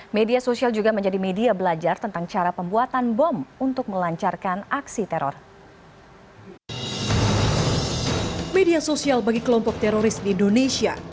media sosial bagi kelompok teroris di indonesia